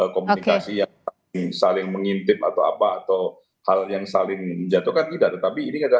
komunikasi yang saling mengintip atau apa atau hal yang saling menjatuhkan tidak tetapi ini adalah